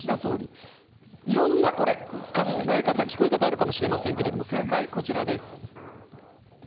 いろんな考え方、聞こえがあるかもしれませんが正解、こちらです。